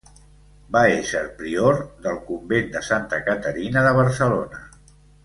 Va ésser prior del Convent de Santa Caterina de Barcelona.